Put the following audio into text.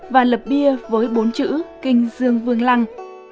và lập bia với bốn chữ kinh dương vương lăng